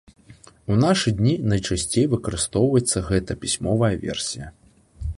У нашы дні найчасцей выкарыстоўваецца гэта пісьмовая версія.